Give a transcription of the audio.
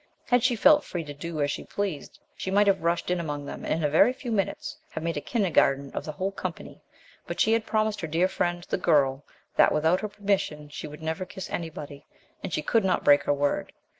Had she felt free to do as she pleased, she might have rushed in among them and, in a very few minutes, have made a kindergarten of the whole company, but she had promised her dear friend, the girl, that, without her permission, she would never kiss any body, and she could not break her word.